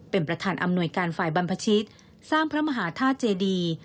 เป็นประธานอำนวยการฝ่ายบรรพชิตสร้างพระมหาธาตุเจดี